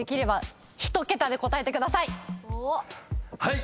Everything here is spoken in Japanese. はい！